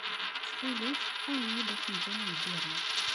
Ttxil-k awi-yi-d afenǧal n lbira.